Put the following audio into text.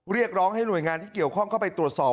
เรียกร้องให้หน่วยงานที่เกี่ยวข้องเข้าไปตรวจสอบ